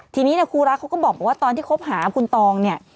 ทีนี้ครูรักเขาก็บอกว่าตอนที่คบหาคุณตองเนี่ย